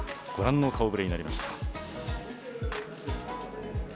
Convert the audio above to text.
ご覧の顔ぶれになりました。